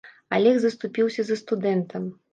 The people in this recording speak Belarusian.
Алег заступіўся за студэнта.